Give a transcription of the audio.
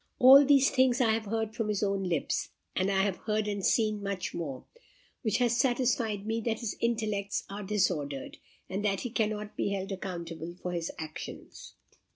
All these things I have heard from his own lips, and I have heard and seen much more, which has satisfied me that his intellects are disordered, and that he cannot be held accountable for his actions."